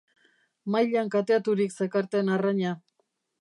Mailan kateaturik zekarten arraina.